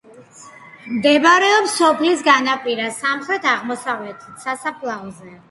მდებარეობს სოფლის განაპირას, სამხრეთ-აღმოსავლეთით, სასაფლაოზე.